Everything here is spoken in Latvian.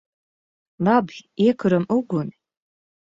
Labi. Iekuram uguni!